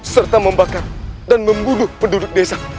serta membakar dan membunuh penduduk desa